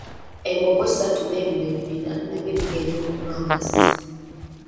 Embogo satu n'ebinyonyi bina nabyo bigenda okunywa amazzi.